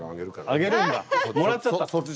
あげるんだもらっちゃった。